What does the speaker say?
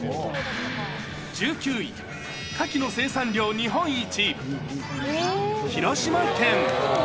１９位、牡蠣の生産量日本一、広島県。